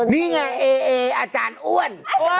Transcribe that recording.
นี่ไงเอออาจารย์อ้วน